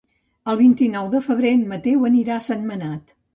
El vint-i-nou de febrer en Mateu anirà a Sentmenat.